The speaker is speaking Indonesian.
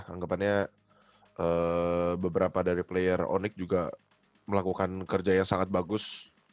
anggapannya beberapa dari player onic juga melakukan kerja yang sangat bagus